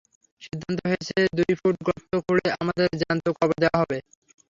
সিদ্ধান্ত হয়েছে, দুই ফুট গর্ত খুঁড়ে আমাদের জ্যান্ত কবর দেওয়া হবে।